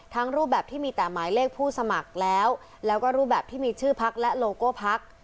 รูปแบบที่มีแต่หมายเลขผู้สมัครแล้วแล้วก็รูปแบบที่มีชื่อพักและโลโก้พัก